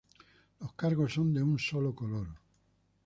Los cargos son de un solo color.